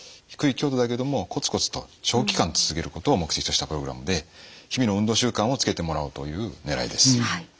低い強度だけれどもコツコツと長期間続けることを目的としたプログラムで日々の運動習慣をつけてもらおうというねらいです。